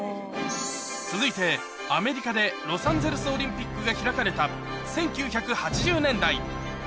続いて、アメリカでロサンゼルスオリンピックが開かれた１９８０年代。